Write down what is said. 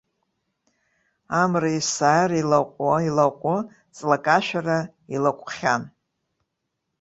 Амра есааира илаҟәуа, илаҟәуа, ҵлак ашәара илаҟәхьан.